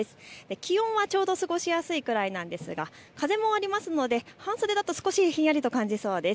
気温はちょうど過ごしやすいくらいなんですが風もありますので半袖だと少しひんやりと感じられそうです。